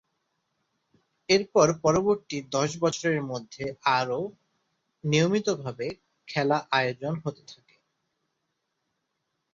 এরপর পরবর্তী দশ বছরের মধ্যে আরও নিয়মিতভাবে খেলা আয়োজন হতে থাকে।